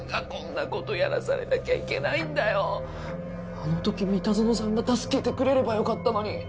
あの時三田園さんが助けてくれればよかったのに。